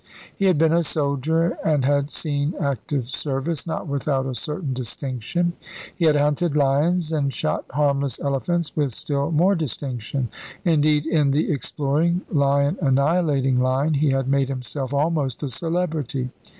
He had been a soldier, and had seen active service, not without a certain distinction. He had hunted lions and shot harmless elephants, with still more distinction; indeed, in the exploring, lion annihilating line he had made himself almost a celebrity.